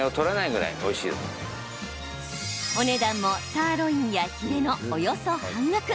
お値段もサーロインやヒレのおよそ半額。